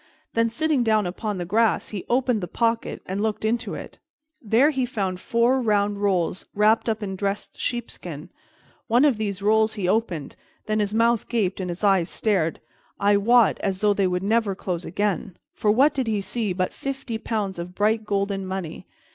Then, sitting down upon the grass, he opened the pocket and looked into it. There he found four round rolls wrapped up in dressed sheepskin; one of these rolls he opened; then his mouth gaped and his eyes stared, I wot, as though they would never close again, for what did he see but fifty pounds of bright golden money?